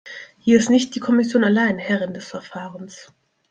Hier ist nicht die Kommission allein Herrin des Verfahrens.